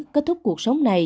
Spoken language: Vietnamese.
kết thúc cuộc sống này